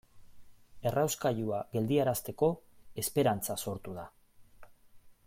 Errauskailua geldiarazteko esperantza sortu da.